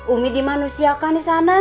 umi dimanusiakan disana